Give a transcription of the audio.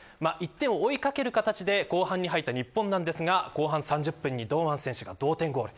１点を追いかける形で後半に入った日本ですが後半３０分に堂安選手が同点ゴール。